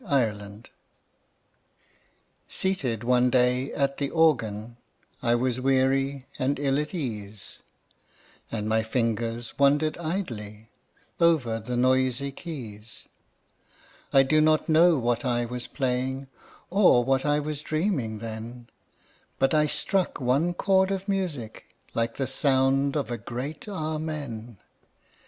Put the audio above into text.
VERSE: A LOST CHORD Seated one day at the Organ, I was weary and ill at ease, And my fingers wandered idly Over the noisy keys. I do not know what I was playing, Or what I was dreaming then; But I struck one chord of music, Like the sound of a great Amen.